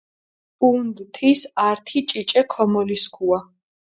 ჸუნდჷ თის ართი ჭიჭე ქომოლისქუა.